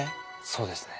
そうですね。